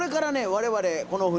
我々この船